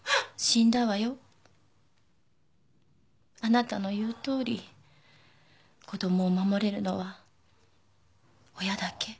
あなたの言うとおり子供を守れるのは親だけ